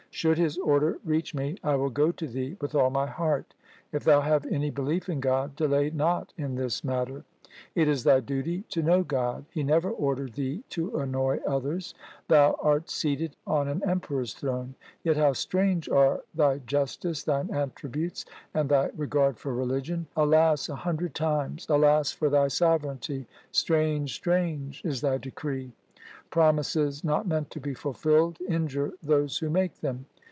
Should His order reach me, I will go to thee with all my heart. If thou have any belief in God, delay not in this matter. It is thy duty to know God. He never ordered thee to annoy others. Thou art seated on an emperor's throne, yet how strange are thy justice/ thine attributes and thy regard for religion ! Alas a hundred times ! alas for thy sovereignty ! Strange, strange is thy decree ! Promises not meant to be fulfilled injure those who make them.